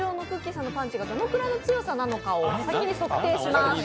さんのパンチがどのくらいの強さなのかを先に測定します。